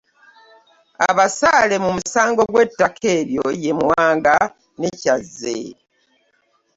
Abasaale mu musango gw'ettaka eryo ye Muwanga ne Kyazze.